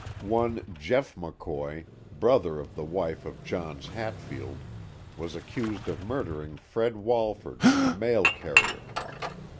One Jeff McCoy, brother of the wife of Johns Hatfield, was accused of murdering Fred Walford, a mail carrier.